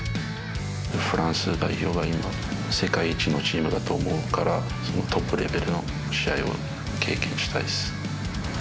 フランス代表は今、世界一のチームだと思うから、そのトップレベルの試合を経験したいっす。